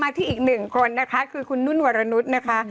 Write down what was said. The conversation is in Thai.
ที่อีกหนึ่งคนนะคะคือคุณนุ่นวรนุษย์นะคะ